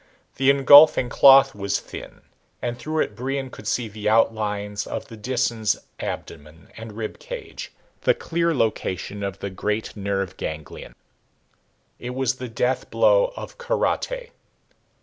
The engulfing cloth was thin and through it Brion could see the outlines of the Disan's abdomen and rib cage, the clear location of the great nerve ganglion. It was the death blow of kara te.